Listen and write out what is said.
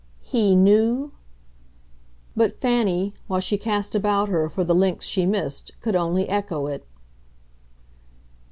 "'He' knew ?" But Fanny, while she cast about her for the links she missed, could only echo it.